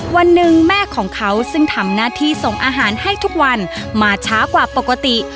วันหนึ่งแม่ของเขาซึ่งทำหน้าที่ส่งอาหารให้ทุกวันมาช้ากว่าปกติ